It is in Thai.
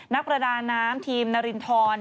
นักประดาน้ำทีมนารินทร